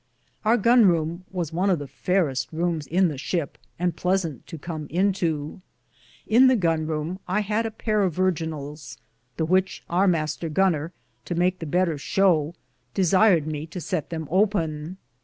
Our gonroume was one of the fayereste Roumes in the ship, and pleasant to com into. In the gonroume I had a pare of virginals, the which our Mr. goner, to make the better showe, desired me to sett them open.